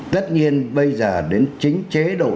tất nhiên bây giờ đến chính chế độ